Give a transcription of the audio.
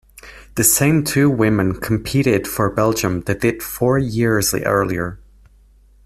The same two women competed for Belgium that did four years earlier.